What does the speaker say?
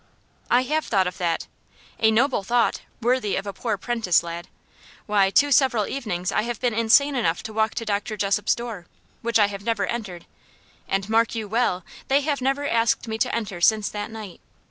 "I have thought of that: a noble thought, worthy of a poor 'prentice lad! Why, two several evenings I have been insane enough to walk to Dr. Jessop's door, which I have never entered, and mark you well! they have never asked me to enter since that night.